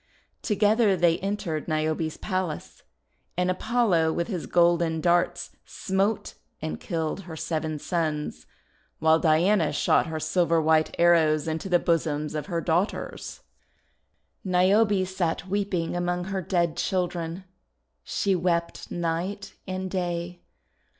Together they entered Niobe's palace. And Apollo with his golden darts smote and killed her seven sons; while Diana shot her silver white arrows into the bosoms of her daughters. Niobe sat weeping among her dead children. She wept night and day.